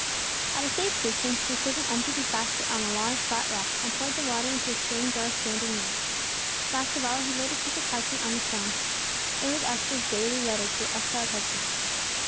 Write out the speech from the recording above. At a safe distance the servant emptied his basket on a large flat rock, and poured the water into a stone jar standing near. Last of all, he laid a piece of parchment on the stone. It was Esther's daily letter to her exiled husband.